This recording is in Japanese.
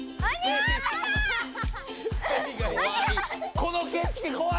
この景色こわい！